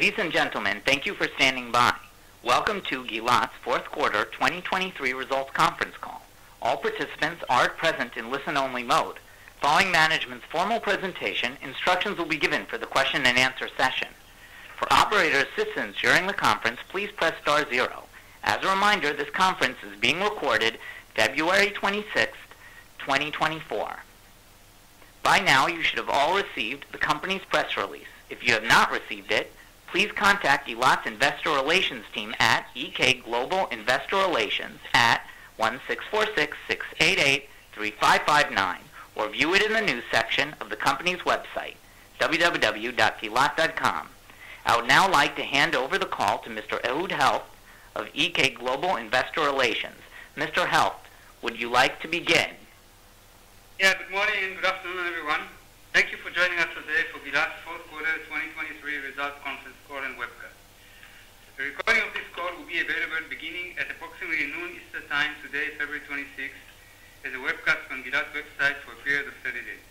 Ladies and gentlemen, thank you for standing by. Welcome to Gilat's Fourth Quarter 2023 Results Conference Call. All participants are present in listen-only mode. Following management's formal presentation, instructions will be given for the question-and-answer session. For operator assistance during the conference, please press star zero. As a reminder, this conference is being recorded, February 26, 2024. By now, you should have all received the company's press release. If you have not received it, please contact Gilat's investor relations team at EK Global Investor Relations at 1-646-688-3559, or view it in the news section of the company's website, www.gilat.com. I would now like to hand over the call to Mr. Ehud Helft of EK Global Investor Relations. Mr. Helft, would you like to begin? Yeah, good morning. Good afternoon, everyone. Thank you for joining us today for Gilat's Fourth Quarter 2023 Results Conference Call and Webcast. The recording of this call will be available beginning at approximately noon Eastern time today, February 26, as a webcast from Gilat's website for a period of 30 days.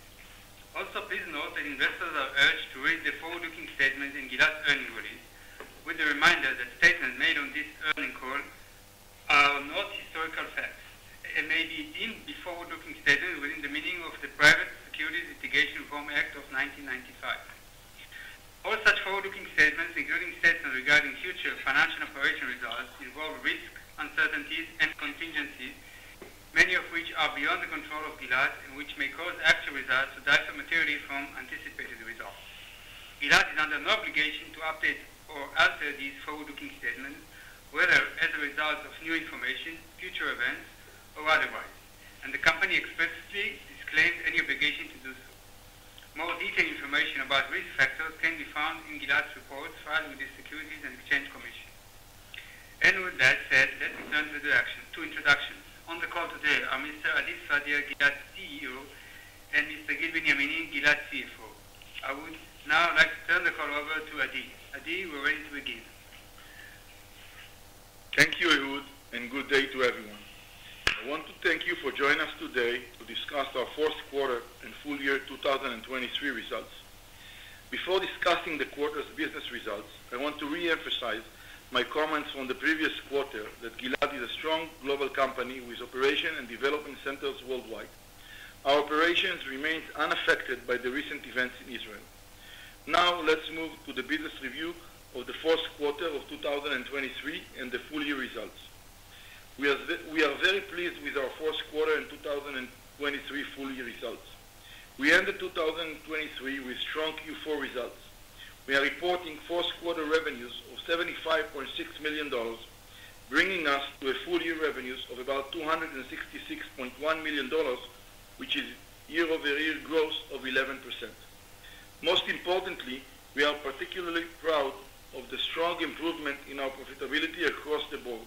Also, please note that investors are urged to read the forward-looking statements in Gilat's earnings release, with the reminder that statements made on this earnings call are not historical facts. It may be deemed a forward-looking statement within the meaning of the Private Securities Litigation Reform Act of 1995. All such forward-looking statements, including statements regarding future financial operation results, involve risk, uncertainties, and contingencies, many of which are beyond the control of Gilat and which may cause actual results to differ materially from anticipated results. Gilat is under no obligation to update or alter these forward-looking statements, whether as a result of new information, future events, or otherwise, and the company explicitly disclaimed any obligation to do so. More detailed information about risk factors can be found in Gilat's reports filed with the Securities and Exchange Commission. With that said, let me turn to the actual introductions. On the call today are Mr. Adi Sfadia, Gilat's CEO, and Mr. Gil Benyamini, Gilat's CFO. I would now like to turn the call over to Adi. Adi, we're ready to begin. Thank you, Ehud, and good day to everyone. I want to thank you for joining us today to discuss our fourth quarter and full year 2023 results. Before discussing the quarter's business results, I want to re-emphasize my comments from the previous quarter that Gilat is a strong global company with operation and development centers worldwide. Our operations remain unaffected by the recent events in Israel. Now, let's move to the business review of the fourth quarter of 2023 and the full year results. We are very pleased with our fourth quarter and 2023 full year results. We ended 2023 with strong Q4 results. We are reporting fourth quarter revenues of $75.6 million, bringing us to a full year revenues of about $266.1 million, which is year-over-year growth of 11%. Most importantly, we are particularly proud of the strong improvement in our profitability across the board,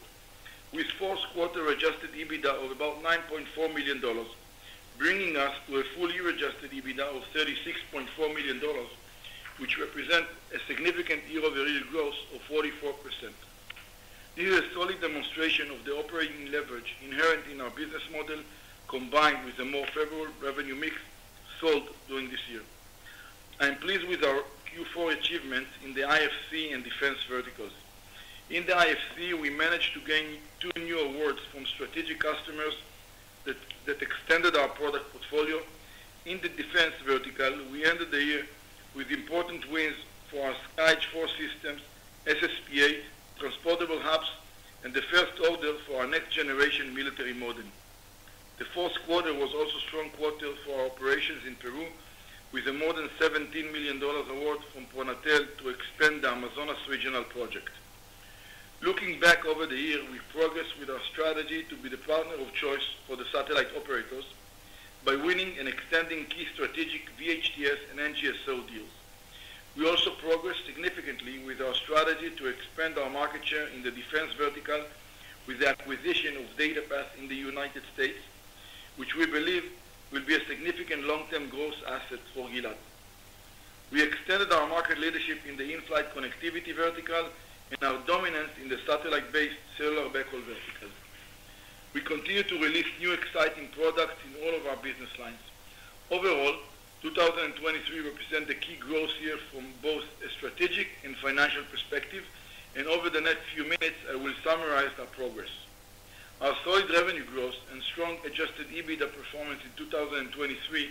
with fourth quarter adjusted EBITDA of about $9.4 million, bringing us to a full year adjusted EBITDA of $36.4 million, which represents a significant year-over-year growth of 44%. This is a solid demonstration of the operating leverage inherent in our business model, combined with a more favorable revenue mix sold during this year. I am pleased with our Q4 achievements in the IFC and defense verticals. In the IFC, we managed to gain two new awards from strategic customers that extended our product portfolio. In the defense vertical, we ended the year with important wins for our SkyEdge IV systems, SSPA, transportable hubs, and the first order for our next-generation military modem. The fourth quarter was also a strong quarter for our operations in Peru, with a more than $17 million award from Pronatel to expand the Amazonas Regional Project. Looking back over the year, we progressed with our strategy to be the partner of choice for the satellite operators by winning and extending key strategic VHTS and NGSO deals. We also progressed significantly with our strategy to expand our market share in the defense vertical with the acquisition of DataPath in the United States, which we believe will be a significant long-term growth asset for Gilat. We extended our market leadership in the in-flight connectivity vertical and our dominance in the satellite-based cellular backhaul vertical. We continue to release new exciting products in all of our business lines. Overall, 2023 represents a key growth year from both a strategic and financial perspective, and over the next few minutes, I will summarize our progress. Our solid revenue growth and strong adjusted EBITDA performance in 2023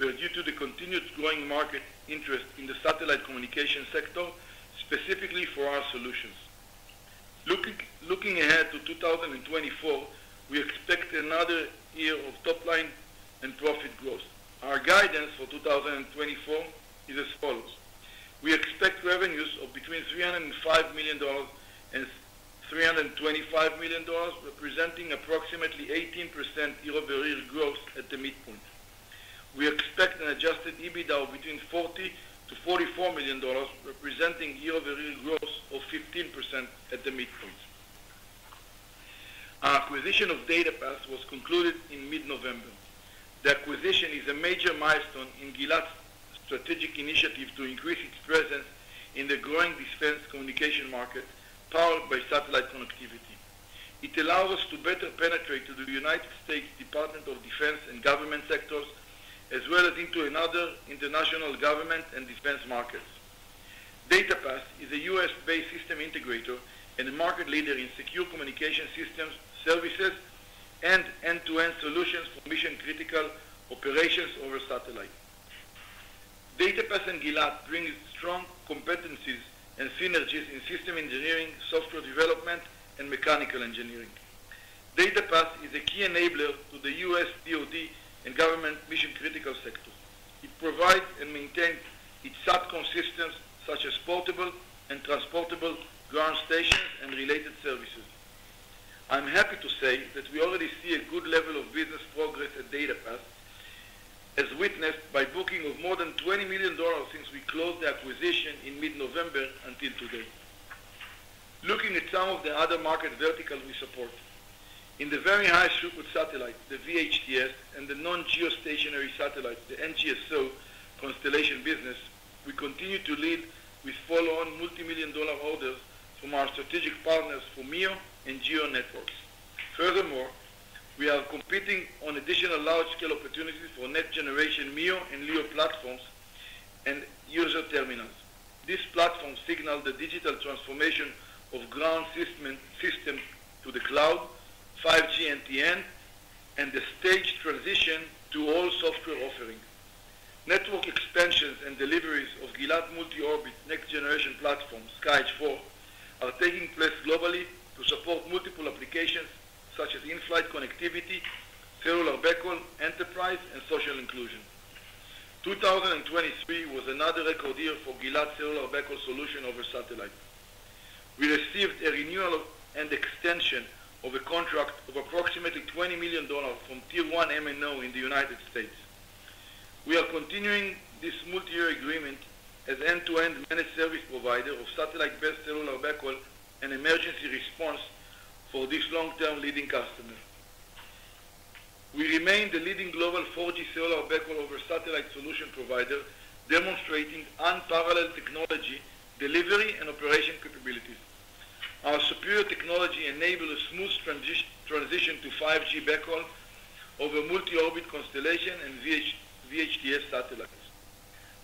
were due to the continued growing market interest in the satellite communication sector, specifically for our solutions. Looking ahead to 2024, we expect another year of top-line and profit growth. Our guidance for 2024 is as follows: we expect revenues of between $305 million and $325 million, representing approximately 18% year-over-year growth at the midpoint. We expect an adjusted EBITDA of between $40 million-$44 million, representing year-over-year growth of 15% at the midpoint. Our acquisition of DataPath was concluded in mid-November. The acquisition is a major milestone in Gilat's strategic initiative to increase its presence in the growing defense communication market powered by satellite connectivity. It allows us to better penetrate into the U.S. Department of Defense and government sectors, as well as into other international government and defense markets. DataPath is a U.S.-based system integrator and a market leader in secure communication systems, services, and end-to-end solutions for mission-critical operations over satellite. DataPath and Gilat bring strong competencies and synergies in system engineering, software development, and mechanical engineering. DataPath is a key enabler to the U.S. DoD and government mission-critical sector. It provides and maintains its subcomponents, such as portable and transportable ground stations and related services. I'm happy to say that we already see a good level of business progress at DataPath, as witnessed by the booking of more than $20 million since we closed the acquisition in mid-November until today. Looking at some of the other market verticals we support: in the very high-throughput satellite, the VHTS, and the non-geostationary satellite, the NGSO constellation business, we continue to lead with follow-on multimillion-dollar orders from our strategic partners for MEO and GEO networks. Furthermore, we are competing on additional large-scale opportunities for next-generation MEO and LEO platforms and user terminals. These platforms signal the digital transformation of ground systems to the cloud, 5G NTN, and the staged transition to all software offerings. Network expansions and deliveries of Gilat multi-orbit next-generation platform, SkyEdge IV, are taking place globally to support multiple applications such as in-flight connectivity, cellular backhaul, enterprise, and social inclusion. 2023 was another record year for Gilat cellular backhaul solution over satellite. We received a renewal and extension of a contract of approximately $20 million from Tier 1 MNO in the United States. We are continuing this multi-year agreement as end-to-end managed service provider of satellite-based cellular backhaul and emergency response for this long-term leading customer. We remain the leading global 4G cellular backhaul over satellite solution provider, demonstrating unparalleled technology delivery and operation capabilities. Our superior technology enables a smooth transition to 5G backhaul over multi-orbit constellation and VHTS satellites.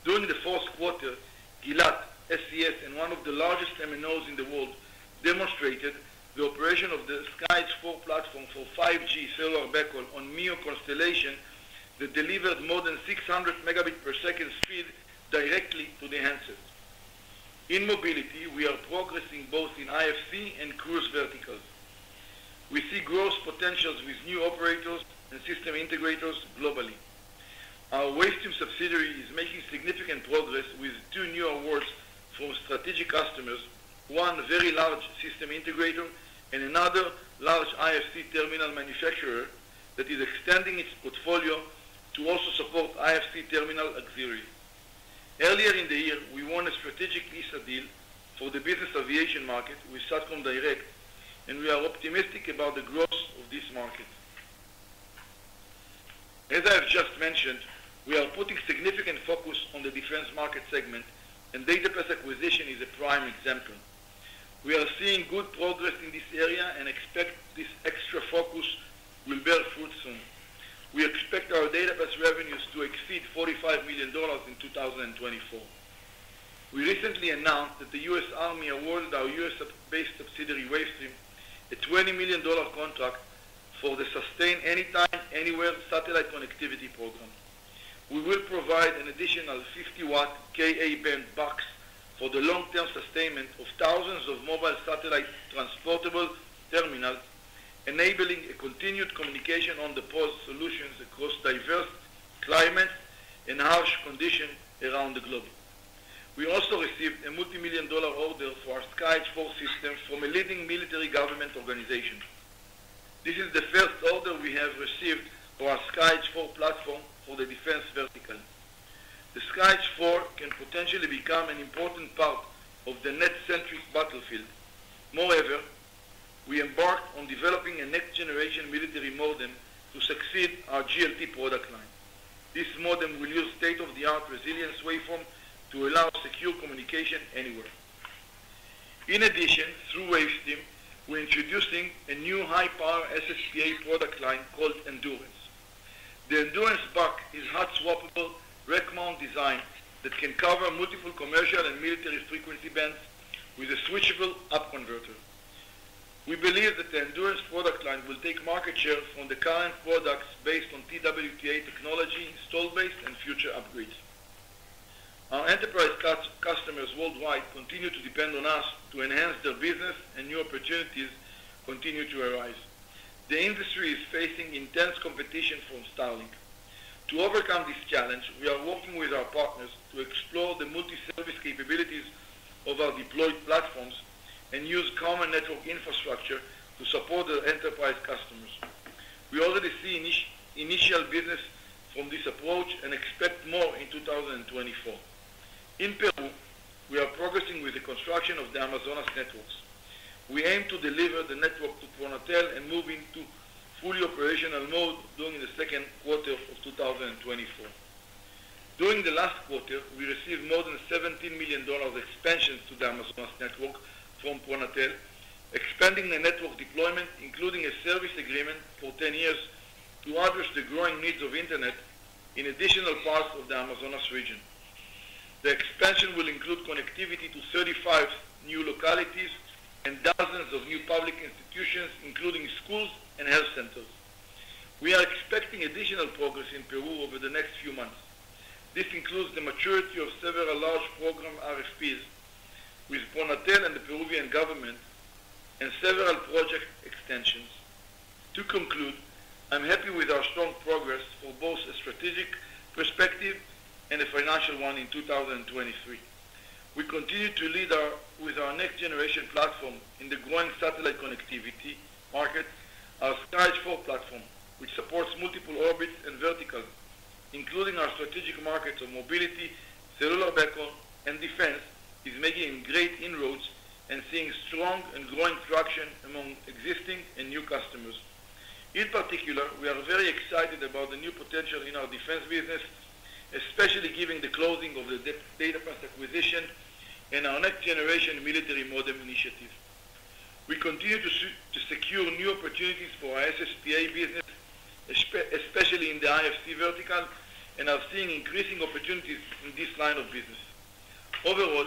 During the fourth quarter, Gilat, SES, and one of the largest MNOs in the world demonstrated the operation of the SkyEdge IV platform for 5G cellular backhaul on MEO constellation that delivered more than 600 Mbps speed directly to the handset. In mobility, we are progressing both in IFC and cruise verticals. We see growth potentials with new operators and system integrators globally. Our Wavestream subsidiary is making significant progress with two new awards from strategic customers: one very large system integrator and another large IFC terminal manufacturer that is extending its portfolio to also support IFC terminal auxiliary. Earlier in the year, we won a strategic ESA deal for the business aviation market with Satcom Direct, and we are optimistic about the growth of this market. As I have just mentioned, we are putting significant focus on the defense market segment, and DataPath acquisition is a prime example. We are seeing good progress in this area and expect this extra focus will bear fruit soon. We expect our DataPath revenues to exceed $45 million in 2024. We recently announced that the U.S. Army awarded our U.S.-based subsidiary Wavestream a $20 million contract for the Sustain Anytime, Anywhere Satellite Connectivity program. We will provide an additional 50-watt Ka-band BUCs for the long-term sustainment of thousands of mobile satellite transportable terminals, enabling continued communication on-the-pause solutions across diverse climates and harsh conditions around the globe. We also received a $multi-million order for our SkyEdge IV system from a leading military government organization. This is the first order we have received for our SkyEdge IV platform for the defense vertical. The SkyEdge IV can potentially become an important part of the net-centric battlefield. Moreover, we embarked on developing a next-generation military modem to succeed our GLT product line. This modem will use state-of-the-art resilience waveforms to allow secure communication anywhere. In addition, through Wavestream, we're introducing a new high-power SSPA product line called Endurance. The Endurance BUC is a hot-swappable rack-mount design that can cover multiple commercial and military frequency bands with a switchable up-converter. We believe that the Endurance product line will take market share from the current products based on TWTA technology, solid-state, and future upgrades. Our enterprise customers worldwide continue to depend on us to enhance their business, and new opportunities continue to arise. The industry is facing intense competition from Starlink. To overcome this challenge, we are working with our partners to explore the multi-service capabilities of our deployed platforms and use common network infrastructure to support our enterprise customers. We already see initial business from this approach and expect more in 2024. In Peru, we are progressing with the construction of the Amazonas networks. We aim to deliver the network to Pronatel and move into fully operational mode during the second quarter of 2024. During the last quarter, we received more than $17 million expansions to the Amazonas network from Pronatel, expanding the network deployment, including a service agreement for 10 years to address the growing needs of internet in additional parts of the Amazonas region. The expansion will include connectivity to 35 new localities and dozens of new public institutions, including schools and health centers. We are expecting additional progress in Peru over the next few months. This includes the maturity of several large program RFPs with Pronatel and the Peruvian government and several project extensions. To conclude, I'm happy with our strong progress for both a strategic perspective and a financial one in 2023. We continue to lead with our next-generation platform in the growing satellite connectivity market. Our SkyEdge IV platform, which supports multiple orbits and verticals, including our strategic markets of mobility, cellular backhaul, and defense, is making great inroads and seeing strong and growing traction among existing and new customers. In particular, we are very excited about the new potential in our defense business, especially given the closing of the DataPath acquisition and our next-generation military modem initiative. We continue to secure new opportunities for our SSPA business, especially in the IFC vertical, and are seeing increasing opportunities in this line of business. Overall,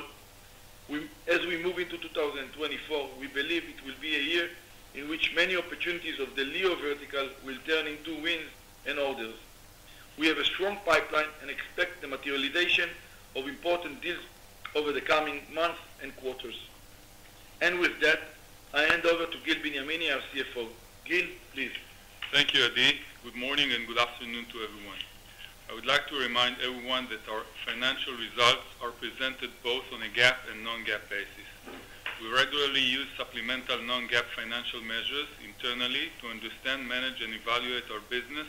as we move into 2024, we believe it will be a year in which many opportunities of the LEO vertical will turn into wins and orders. We have a strong pipeline and expect the materialization of important deals over the coming months and quarters. And with that, I hand over to Gil Benyamini, our CFO. Gil, please. Thank you, Adi. Good morning and good afternoon to everyone. I would like to remind everyone that our financial results are presented both on a GAAP and non-GAAP basis. We regularly use supplemental non-GAAP financial measures internally to understand, manage, and evaluate our business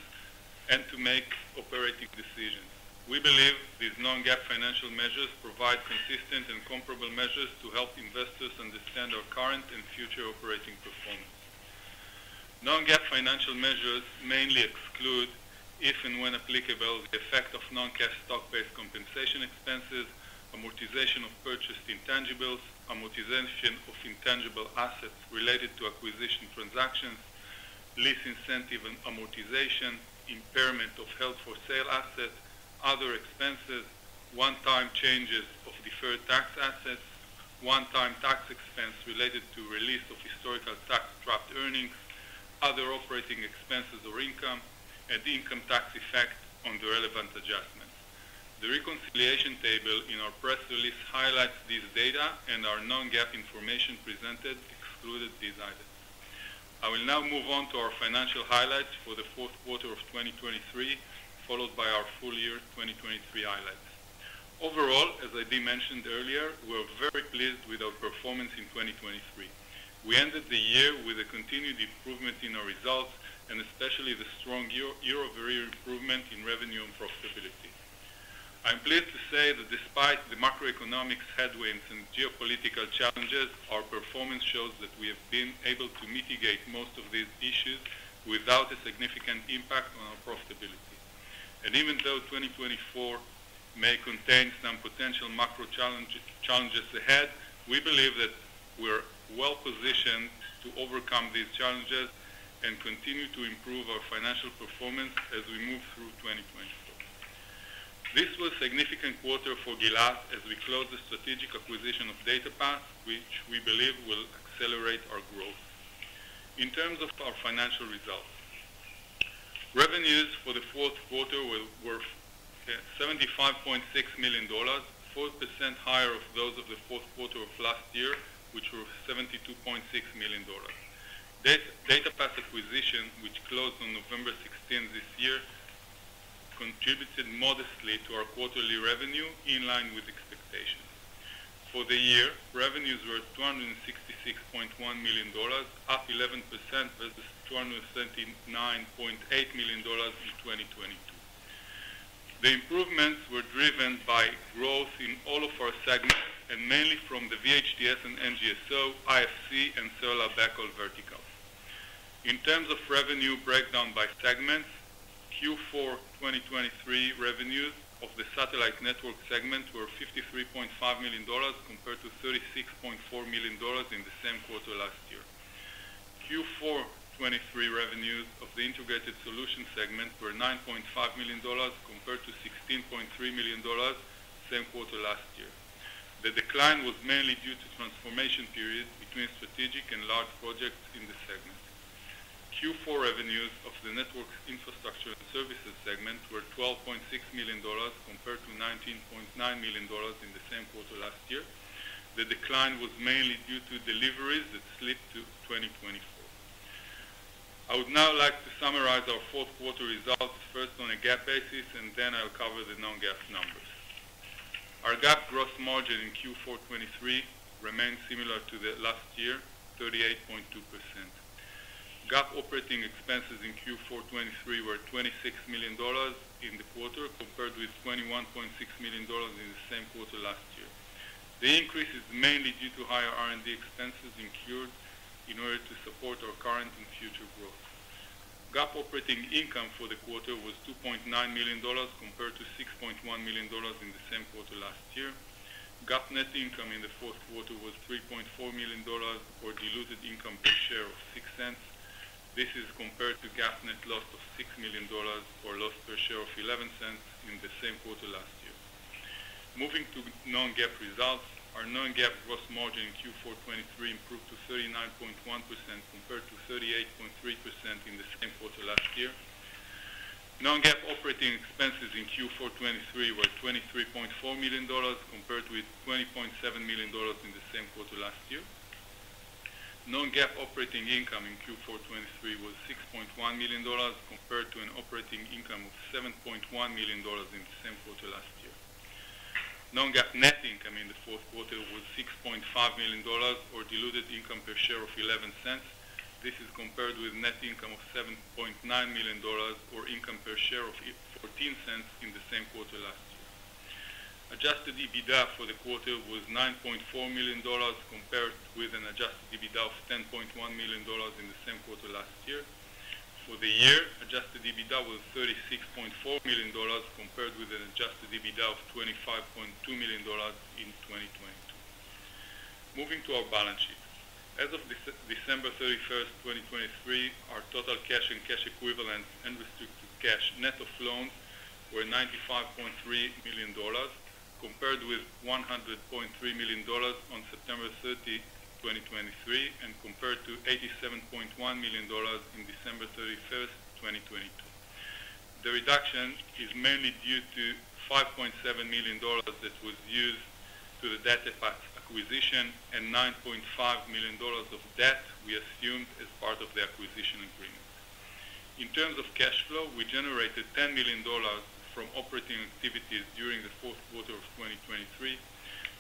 and to make operating decisions. We believe these non-GAAP financial measures provide consistent and comparable measures to help investors understand our current and future operating performance. Non-GAAP financial measures mainly exclude, if and when applicable, the effect of non-cash stock-based compensation expenses, amortization of purchased intangibles, amortization of intangible assets related to acquisition transactions, lease incentive and amortization, impairment of held-for-sale assets, other expenses, one-time changes of deferred tax assets, one-time tax expense related to release of historical tax-trapped earnings, other operating expenses or income, and the income tax effect on the relevant adjustments. The reconciliation table in our press release highlights these data, and our non-GAAP information presented excluded these items. I will now move on to our financial highlights for the fourth quarter of 2023, followed by our full year 2023 highlights. Overall, as Adi mentioned earlier, we are very pleased with our performance in 2023. We ended the year with continued improvements in our results and especially the strong year-over-year improvement in revenue and profitability. I'm pleased to say that despite the macroeconomic headwinds and geopolitical challenges, our performance shows that we have been able to mitigate most of these issues without a significant impact on our profitability. Even though 2024 may contain some potential macro challenges ahead, we believe that we're well-positioned to overcome these challenges and continue to improve our financial performance as we move through 2024. This was a significant quarter for Gilat as we closed the strategic acquisition of DataPath, which we believe will accelerate our growth. In terms of our financial results, revenues for the fourth quarter were $75.6 million, 4% higher than those of the fourth quarter of last year, which were $72.6 million. DataPath acquisition, which closed on November 16th this year, contributed modestly to our quarterly revenue in line with expectations. For the year, revenues were $266.1 million, up 11% versus $279.8 million in 2022. The improvements were driven by growth in all of our segments and mainly from the VHTS and NGSO, IFC, and cellular backhaul verticals. In terms of revenue breakdown by segments, Q4 2023 revenues of the Satellite Network segment were $53.5 million compared to $36.4 million in the same quarter last year. Q4 2023 revenues of the Integrated Solution segment were $9.5 million compared to $16.3 million, same quarter last year. The decline was mainly due to transformation periods between strategic and large projects in the segment. Q4 revenues of the network infrastructure and services segment were $12.6 million compared to $19.9 million in the same quarter last year. The decline was mainly due to deliveries that slipped to 2024. I would now like to summarize our fourth quarter results first on a GAAP basis, and then I'll cover the non-GAAP numbers. Our GAAP gross margin in Q4 2023 remains similar to last year, 38.2%. GAAP operating expenses in Q4 2023 were $26 million in the quarter compared with $21.6 million in the same quarter last year. The increase is mainly due to higher R&D expenses incurred in order to support our current and future growth. GAAP operating income for the quarter was $2.9 million compared to $6.1 million in the same quarter last year. GAAP net income in the fourth quarter was $3.4 million or diluted income per share of $0.06. This is compared to GAAP net loss of $6 million or loss per share of $0.11 in the same quarter last year. Moving to non-GAAP results, our non-GAAP gross margin in Q4 2023 improved to 39.1% compared to 38.3% in the same quarter last year. Non-GAAP operating expenses in Q4 2023 were $23.4 million compared with $20.7 million in the same quarter last year. Non-GAAP operating income in Q4 2023 was $6.1 million compared to an operating income of $7.1 million in the same quarter last year. Non-GAAP net income in the fourth quarter was $6.5 million or diluted income per share of $0.11. This is compared with net income of $7.9 million or income per share of $0.14 in the same quarter last year. Adjusted EBITDA for the quarter was $9.4 million compared with an adjusted EBITDA of $10.1 million in the same quarter last year. For the year, adjusted EBITDA was $36.4 million compared with an adjusted EBITDA of $25.2 million in 2022. Moving to our balance sheet. As of December 31st, 2023, our total cash and cash equivalents and restricted cash net of loans were $95.3 million compared with $100.3 million on September 30th, 2023, and compared to $87.1 million on December 31st, 2022. The reduction is mainly due to $5.7 million that was used for the DataPath acquisition and $9.5 million of debt we assumed as part of the acquisition agreement. In terms of cash flow, we generated $10 million from operating activities during the fourth quarter of 2023.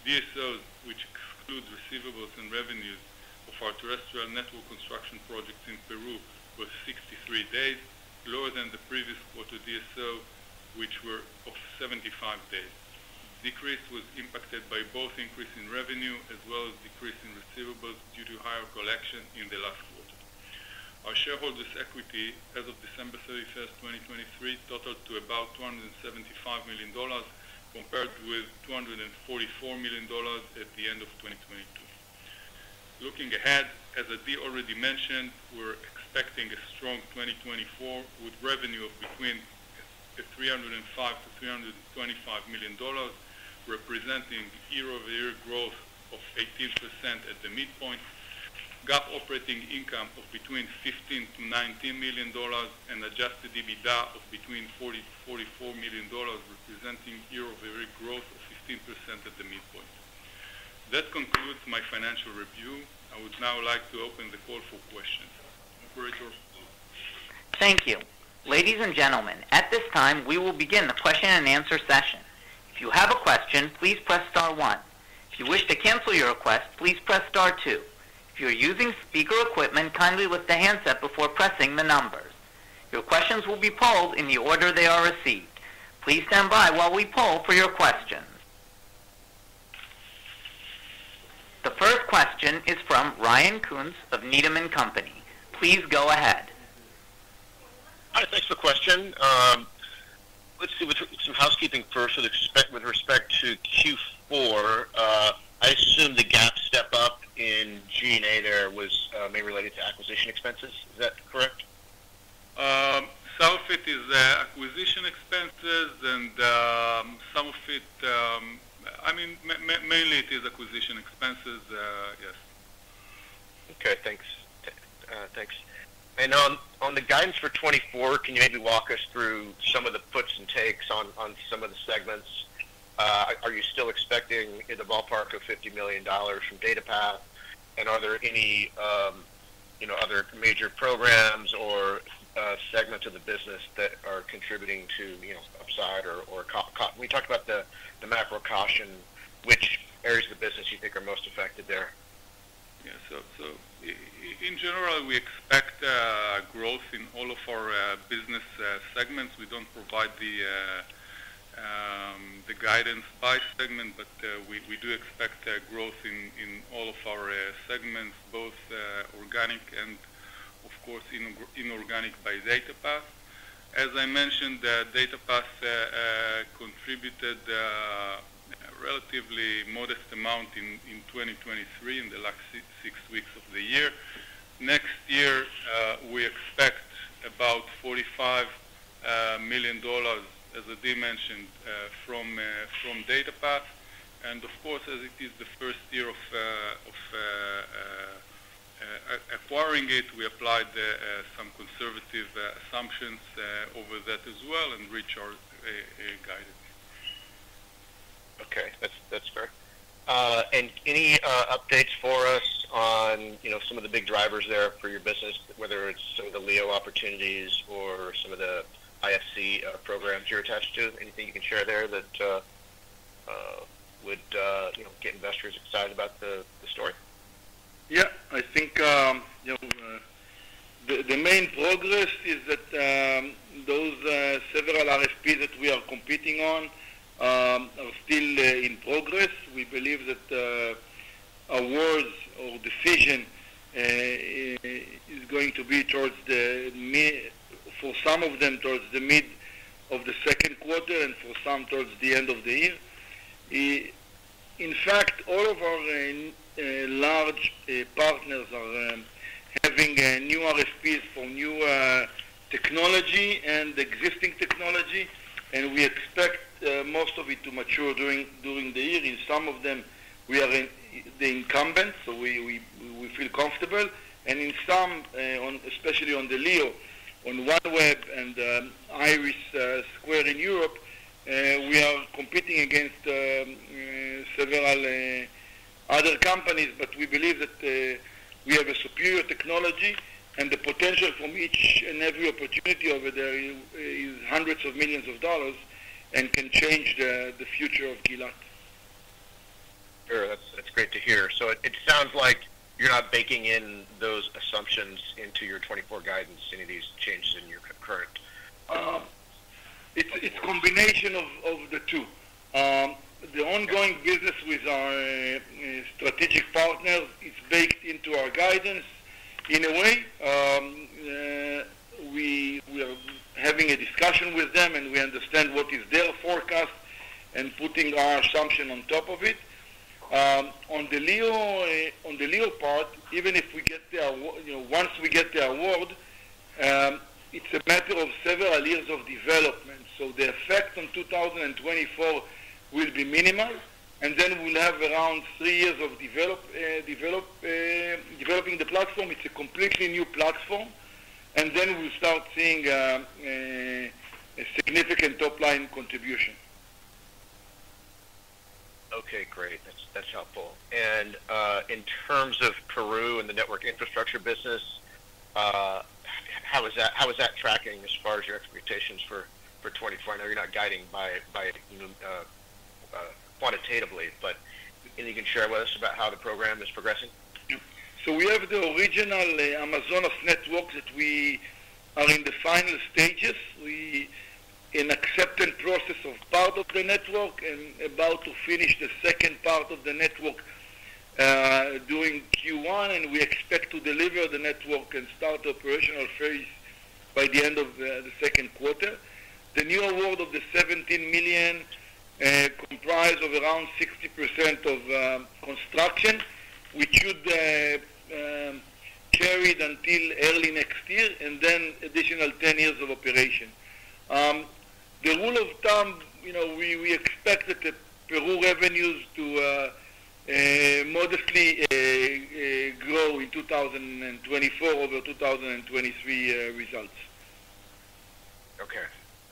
DSOs, which exclude receivables and revenues of our terrestrial network construction projects in Peru, were 63 days, lower than the previous quarter DSOs, which were 75 days. The decrease was impacted by both an increase in revenue as well as a decrease in receivables due to higher collection in the last quarter. Our shareholders' equity as of December 31st, 2023, totaled to about $275 million compared with $244 million at the end of 2022. Looking ahead, as Adi already mentioned, we're expecting a strong 2024 with revenue of between $305-$325 million, representing year-over-year growth of 18% at the midpoint, GAAP operating income of between $15 million-$19 million, and Adjusted EBITDA of between $40 million-$44 million, representing year-over-year growth of 15% at the midpoint. That concludes my financial review. I would now like to open the call for questions. Operator. Thank you. Ladies and gentlemen, at this time, we will begin the question-and-answer session. If you have a question, please press star one. If you wish to cancel your request, please press star two. If you're using speaker equipment, kindly lift the handset before pressing the numbers. Your questions will be polled in the order they are received. Please stand by while we poll for your questions. The first question is from Ryan Koontz of Needham & Company. Please go ahead. Hi. Thanks for the question. Let's see. With some housekeeping first with respect to Q4, I assume the GAAP step-up in G&A there may be related to acquisition expenses. Is that correct? Some of it is acquisition expenses, and some of it I mean, mainly it is acquisition expenses. Yes. Okay. Thanks. Thanks. On the guidance for 2024, can you maybe walk us through some of the puts and takes on some of the segments? Are you still expecting in the ballpark of $50 million from DataPath, and are there any other major programs or segments of the business that are contributing to upside or downside? We talked about the macro caution. Which areas of the business do you think are most affected there? Yeah. So in general, we expect growth in all of our business segments. We don't provide the guidance by segment, but we do expect growth in all of our segments, both organic and, of course, inorganic by DataPath. As I mentioned, DataPath contributed a relatively modest amount in 2023 in the last six weeks of the year. Next year, we expect about $45 million, as Adi mentioned, from DataPath. Of course, as it is the first year of acquiring it, we applied some conservative assumptions over that as well and reached our guidance. Okay. That's fair. And any updates for us on some of the big drivers there for your business, whether it's some of the LEO opportunities or some of the IFC programs you're attached to? Anything you can share there that would get investors excited about the story? Yeah. I think the main progress is that those several RFPs that we are competing on are still in progress. We believe that awards or decision is going to be towards the mid for some of them, towards the mid of the second quarter, and for some, towards the end of the year. In fact, all of our large partners are having new RFPs for new technology and existing technology, and we expect most of it to mature during the year. In some of them, we are the incumbents, so we feel comfortable. And in some, especially on the LEO, on OneWeb and IRIS² in Europe, we are competing against several other companies, but we believe that we have a superior technology, and the potential from each and every opportunity over there is hundreds of millions of dollars and can change the future of Gilat. Sure. That's great to hear. So it sounds like you're not baking in those assumptions into your 2024 guidance, any of these changes in your current? It's a combination of the two. The ongoing business with our strategic partners, it's baked into our guidance in a way. We. We are having a discussion with them, and we understand what is their forecast and putting our assumption on top of it. On the LEO part, even if we get it, once we get the award, it's a matter of several years of development. So the effect on 2024 will be minimal, and then we'll have around three years of developing the platform. It's a completely new platform, and then we'll start seeing a significant top-line contribution. Okay. Great. That's helpful. And in terms of Peru and the network infrastructure business, how is that tracking as far as your expectations for 2024? I know you're not guiding quantitatively, but anything you can share with us about how the program is progressing? Yeah. So we have the original Amazonas network that we are in the final stages. We're in the acceptance process of part of the network and about to finish the second part of the network during Q1, and we expect to deliver the network and start the operational phase by the end of the second quarter. The new award of the $17 million comprises around 60% of construction, which should be carried until early next year and then additional 10 years of operation. The rule of thumb, we expect that Peru revenues to modestly grow in 2024 over 2023 results. Okay.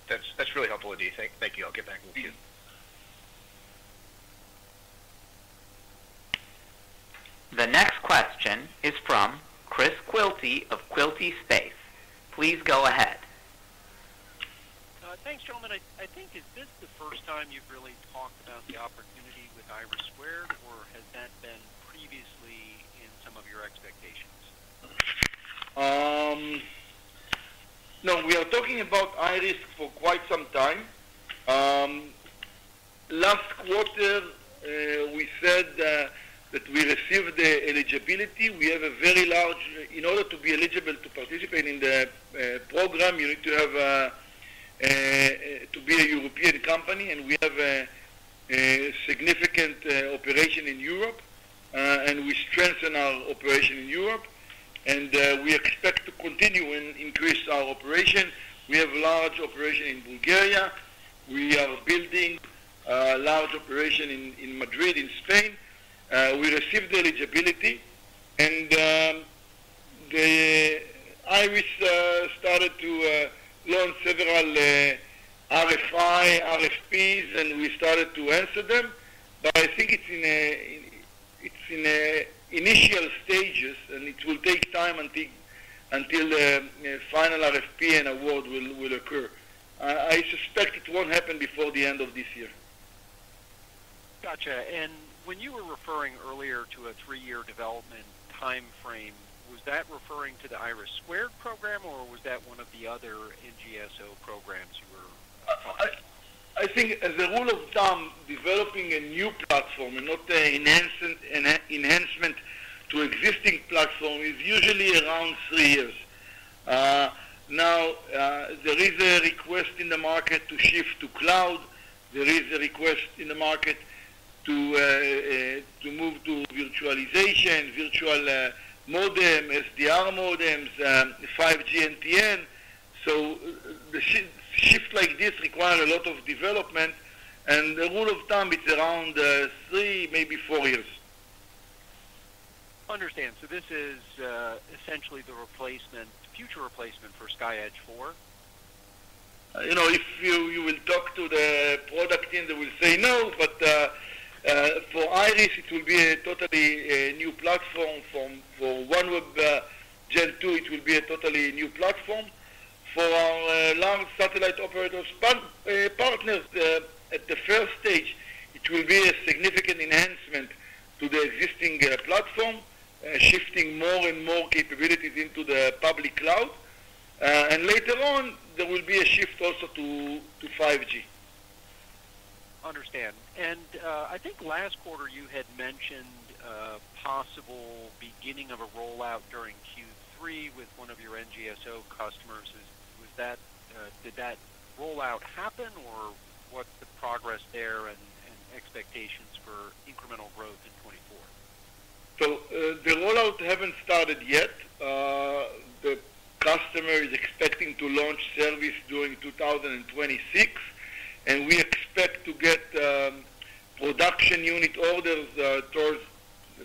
That's really helpful, Adi. Thank you. I'll get back with you. The next question is from Chris Quilty of Quilty Space. Please go ahead. Thanks, gentlemen. I think, is this the first time you've really talked about the opportunity with IRIS², or has that been previously in some of your expectations? No. We are talking about IRIS² for quite some time. Last quarter, we said that we received the eligibility. We have a very large in order to be eligible to participate in the program, you need to have to be a European company, and we have a significant operation in Europe, and we strengthen our operation in Europe. We expect to continue and increase our operation. We have a large operation in Bulgaria. We are building a large operation in Madrid, in Spain. We received the eligibility, and IRIS started to launch several RFI, RFPs, and we started to answer them. But I think it's in initial stages, and it will take time until the final RFP and award will occur. I suspect it won't happen before the end of this year. Gotcha. And when you were referring earlier to a three-year development timeframe, was that referring to the IRIS² program, or was that one of the other NGSO programs you were talking about? I think the rule of thumb, developing a new platform and not an enhancement to existing platform, is usually around three years. Now, there is a request in the market to shift to cloud. There is a request in the market to move to virtualization, virtual modem, SDR modems, 5G NTN. So a shift like this requires a lot of development, and the rule of thumb, it's around three, maybe four years. Understand. So this is essentially the future replacement for SkyEdge IV? If you will talk to the product team, they will say no. But for IRIS², it will be a totally new platform. For OneWeb Gen 2, it will be a totally new platform. For our large satellite operator partners, at the first stage, it will be a significant enhancement to the existing platform, shifting more and more capabilities into the public cloud. And later on, there will be a shift also to 5G. Understand. And I think last quarter, you had mentioned a possible beginning of a rollout during Q3 with one of your NGSO customers. Did that rollout happen, or what's the progress there and expectations for incremental growth in 2024? So the rollout hasn't started yet. The customer is expecting to launch service during 2026, and we expect to get production unit orders towards,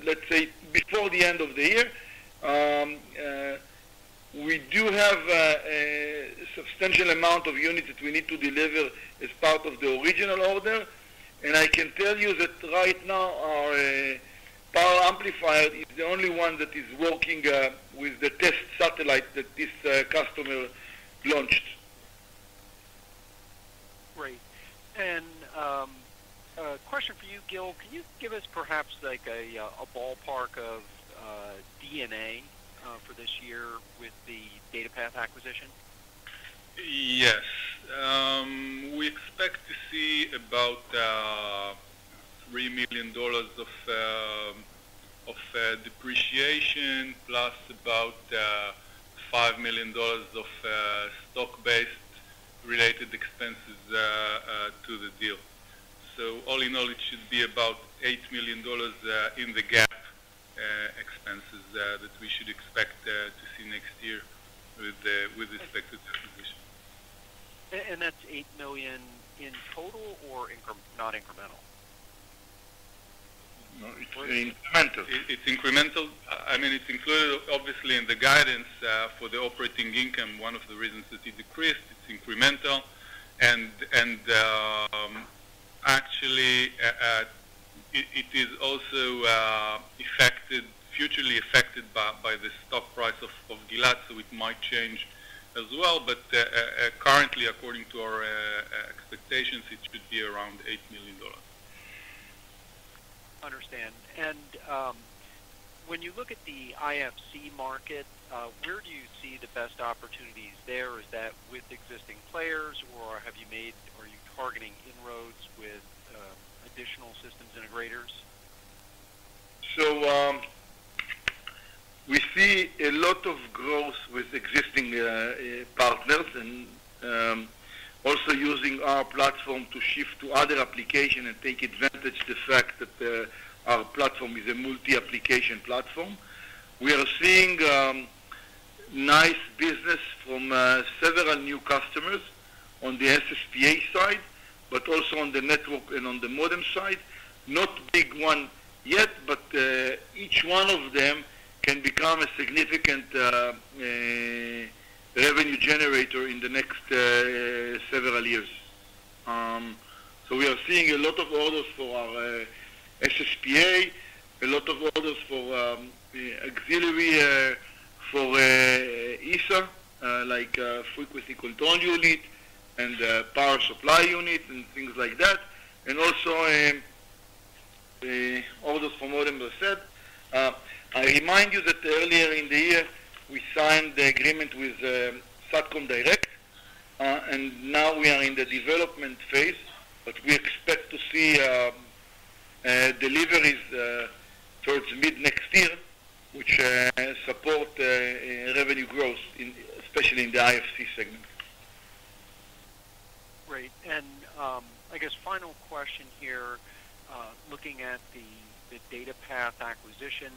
let's say, before the end of the year. We do have a substantial amount of units that we need to deliver as part of the original order. I can tell you that right now, our power amplifier is the only one that is working with the test satellite that this customer launched. Great. A question for you, Gil. Can you give us perhaps a ballpark of EBITDA for this year with the DataPath acquisition? Yes. We expect to see about $3 million of depreciation plus about $5 million of stock-based related expenses to the deal. So all in all, it should be about $8 million in the non-GAAP expenses that we should expect to see next year with the expected acquisition. And that's $8 million in total or not incremental? No. It's incremental. It's incremental. I mean, it's included, obviously, in the guidance for the operating income. One of the reasons that it decreased, it's incremental. And actually, it is also further affected by the stock price of Gilat, so it might change as well. But currently, according to our expectations, it should be around $8 million. Understand. And when you look at the IFC market, where do you see the best opportunities there? Is that with existing players, or are you targeting inroads with additional systems integrators? We see a lot of growth with existing partners and also using our platform to shift to other applications and take advantage of the fact that our platform is a multi-application platform. We are seeing nice business from several new customers on the SSPA side but also on the network and on the modem side. Not a big one yet, but each one of them can become a significant revenue generator in the next several years. So we are seeing a lot of orders for our SSPA, a lot of orders for auxiliary for ESA, like frequency control unit and power supply unit and things like that, and also orders for modem, as I said. I remind you that earlier in the year, we signed the agreement with Satcom Direct, and now we are in the development phase, but we expect to see deliveries towards mid-next year, which support revenue growth, especially in the IFC segment. Great. And I guess final question here, looking at the DataPath acquisition,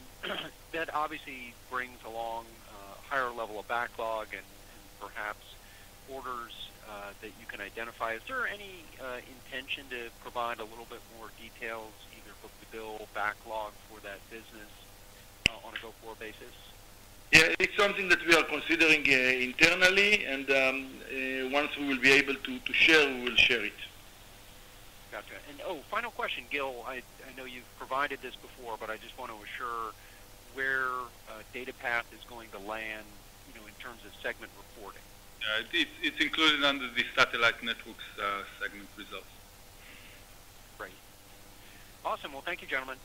that obviously brings along a higher level of backlog and perhaps orders that you can identify. Is there any intention to provide a little bit more details, either book-to-bill, backlog for that business on a go-forward basis? Yeah. It's something that we are considering internally, and once we will be able to share, we will share it. Gotcha. And oh, final question, Gil. I know you've provided this before, but I just want to assure where DataPath is going to land in terms of segment reporting. It's included under the Satellite Networks segment results. Great. Awesome. Well, thank you, gentlemen.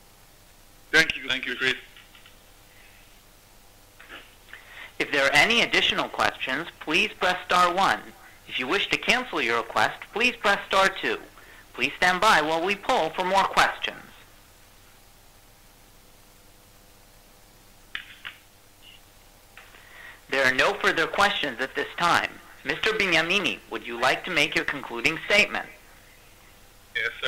Thank you. Thank you, Chris. If there are any additional questions, please press star one. If you wish to cancel your request, please press star two. Please stand by while we poll for more questions. There are no further questions at this time. Mr. Benyamini, would you like to make your concluding statement? Yes.